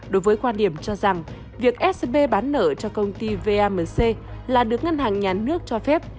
đối với quan điểm cho rằng việc scb bán nợ cho công ty vamc là được ngân hàng nhà nước cho phép